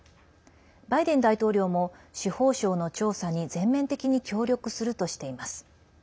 バイデン大統領も司法省の調査に全面的に協力するとしています。